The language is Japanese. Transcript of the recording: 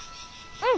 うん。